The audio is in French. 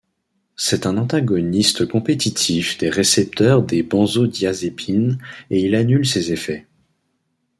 C’est un antagoniste compétitif des récepteurs des benzodiazépines et il annule ses effets.